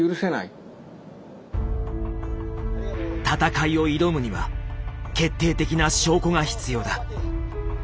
戦いを挑むには決定的な証拠が必要だ。